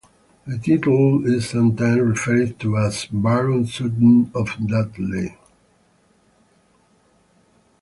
The title is sometime referred to as "Baron Sutton of Dudley".